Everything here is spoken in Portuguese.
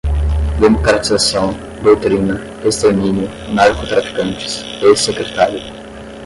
democratização, doutrina, extermínio, narcotraficantes, ex-secretário